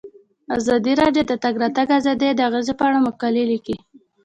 ازادي راډیو د د تګ راتګ ازادي د اغیزو په اړه مقالو لیکلي.